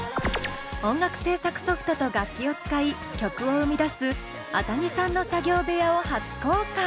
音楽制作ソフトと楽器を使い曲を生み出すａｔａｇｉさんの作業部屋を初公開！